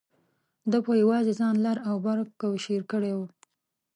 ده په یوازې ځان لر او بر کوشیر کړی و.